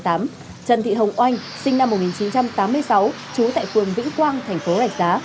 trần thị hồng oanh sinh năm một nghìn chín trăm tám mươi sáu chú tại quận vĩ quang thành phố lạch giá